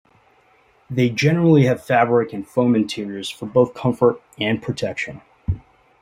They generally have fabric and foam interiors for both comfort and protection.